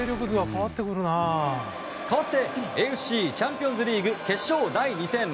かわってＡＦＣチャンピオンズリーグ決勝第２戦。